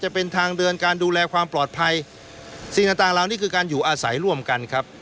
จะเป็นทางเดินการดูแลความปลอดภัยสิ่งต่างต่างเหล่านี้คือการอยู่อาศัยร่วมกันครับ